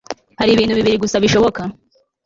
hari ibintu bibiri gusa bishoboka